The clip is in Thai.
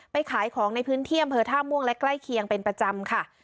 ขายของในพื้นที่อำเภอท่าม่วงและใกล้เคียงเป็นประจำค่ะ